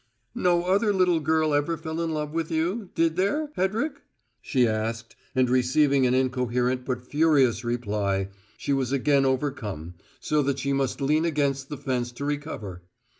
"No other little girl ever fell in love with you, did there, Hedrick?" she asked, and, receiving an incoherent but furious reply, she was again overcome, so that she must lean against the fence to recover.